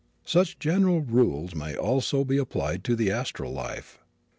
Such general rules may also be applied to the astral life.